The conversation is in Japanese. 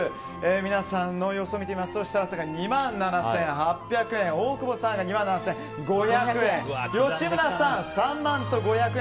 皆さんの予想を見てみると設楽さん、２万７８００円大久保さん、２万７５００円吉村さん、３万５００円。